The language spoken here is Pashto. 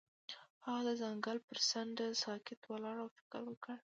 هغه د ځنګل پر څنډه ساکت ولاړ او فکر وکړ.